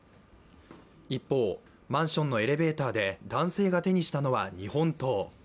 一方、マンションのエレベーターで男性が手にしたのは日本刀。